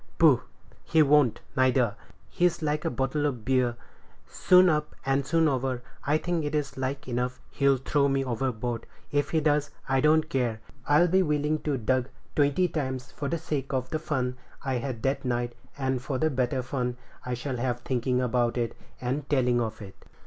"Poh! he won't, neither; he's like a bottle of beer, soon up and soon over. I think it is like enough he'll throw me overboard; if he does, I don't care; I'd be willing to be ducked twenty times for the sake of the fun I had that night, and for the better fun I shall have thinking about it and telling of it."